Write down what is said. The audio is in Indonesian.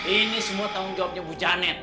ini semua tanggung jawabnya bu janet